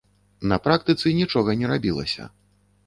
На практыцы нічога не рабілася.